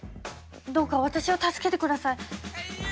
どうか私を助けて下さい。